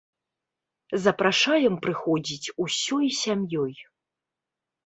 Запрашаем прыходзіць усёй сям'ёй!